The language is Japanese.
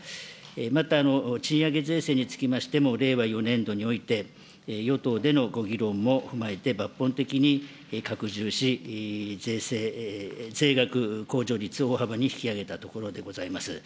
また、賃上げ税制につきましても、令和４年度において、与党でのご議論も踏まえて抜本的に拡充し、税制、税額控除率を大幅に引き上げたところでございます。